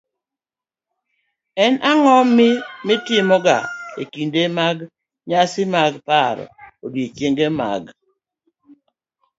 en ang'o mitimoga e kinde mag nyasi mag paro odiechienge mag